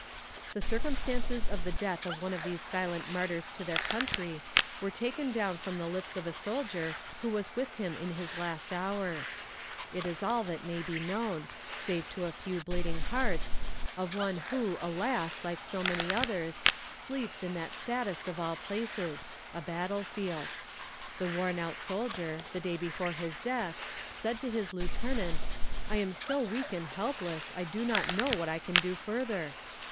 "The circumstances of the death of one of these silent martyrs to their country were taken down from the lips of a soldier who was with him in his last hours. It is all that may be known, save to a few bleeding hearts, of one who, alas! like so many others, sleeps in that saddest of all places, a battle field. The worn out soldier, the day before his death, said to his lieutenant, 'I am so weak and helpless, I do not know what I can do further.'